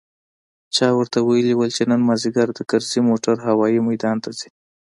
چا ورته ويلي و چې نن مازديګر د کرزي موټر هوايي ميدان ته ځي.